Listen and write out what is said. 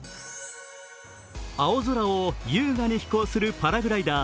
青空を優雅に飛行するパラグライダー。